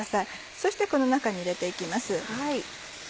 そしてこの中に入れて行きます。